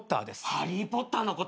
『ハリー・ポッター』のこと？